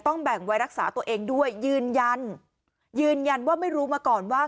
แบ่งไว้รักษาตัวเองด้วยยืนยันยืนยันว่าไม่รู้มาก่อนว่า